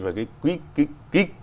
và cái quy định